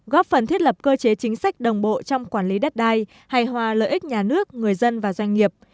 góp phần thiết lập cơ chế chính sách đồng bộ trong quản lý đất đai hài hòa lợi ích nhà nước người dân và doanh nghiệp